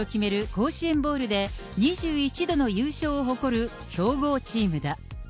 甲子園ボウルで２１度の優勝を誇る強豪チームだ。